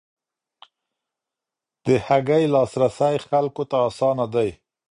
د هګۍ لاسرسی خلکو ته اسانه دی.